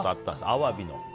アワビの。